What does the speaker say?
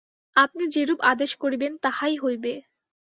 আপনি যেরূপ আদেশ করিবেন তাহাই হইবে।